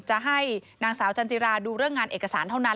จะให้นางสาวจันจิราดูเรื่องงานเอกสารเท่านั้น